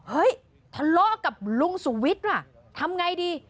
เฮ้ยทะเลาะกับลุงสุวิทย์ว่ะทำไงดี